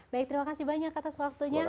baik terima kasih banyak atas waktunya